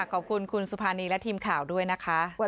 ขอบคุณคุณสุภานีและทีมข่าวด้วยนะคะ